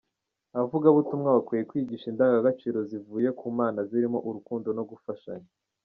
Abavugabutumwa bakwiye kwigisha indangagaciro zivuye ku Mana zirimo urukundo no gufashanya.